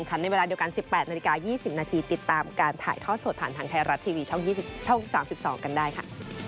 ๘นาฬิกา๒๐นาทีติดตามการถ่ายท่อส่วนผ่านทางไทยรัฐทีวีช่อง๒๐ท่อง๓๒กันได้ค่ะ